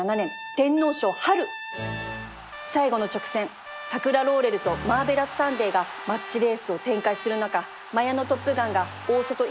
最後の直線サクラローレルとマーベラスサンデーがマッチレースを展開する中マヤノトップガンが大外一気の差し切り勝ち